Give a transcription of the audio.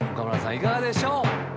いかがでしょう？